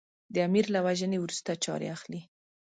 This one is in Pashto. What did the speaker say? د امیر له وژنې وروسته چارې اخلي.